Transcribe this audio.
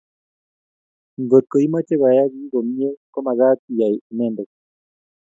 kotko imache koyaak kiy komie ko magat iyai inendet